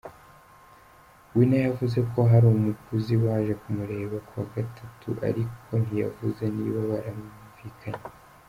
Wina yavuze ko hari umuguzi waje kumureba ku wa gatatu ariko ntiyavuze niba barumvikanye.